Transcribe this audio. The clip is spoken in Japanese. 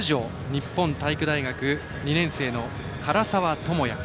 日本体育大学２年生の柄澤智哉。